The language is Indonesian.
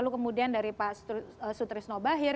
kemudian dari pak sutris nobahir